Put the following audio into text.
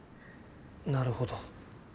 なるほど。